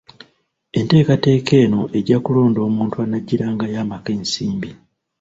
Entekateka eno ejja kulonda omuntu anaggyirangayo amaka ensimbi .